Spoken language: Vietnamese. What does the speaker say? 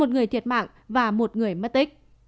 một người thiệt mạng và một người mất tích